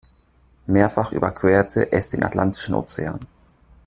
Mehrfach überquerte es den Atlantischen Ozean.